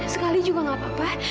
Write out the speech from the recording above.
sekali juga gak apa apa